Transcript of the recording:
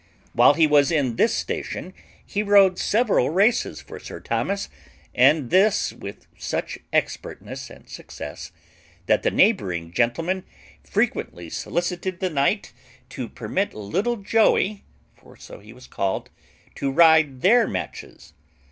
While he was in this station, he rode several races for Sir Thomas, and this with such expertness and success, that the neighbouring gentlemen frequently solicited the knight to permit little Joey (for so he was called) to ride their matches.